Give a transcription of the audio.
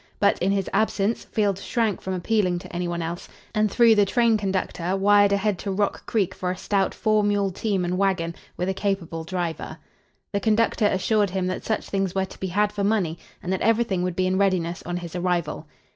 But, in his absence, Field shrank from appealing to anyone else, and, through the train conductor, wired ahead to Rock Creek for a stout four mule team and wagon, with a capable driver. The conductor assured him that such things were to be had for money, and that everything would be in readiness on his arrival.